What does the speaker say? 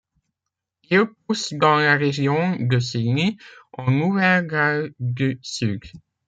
Il pousse dans la région de Sydney en Nouvelle-Galles du Sud.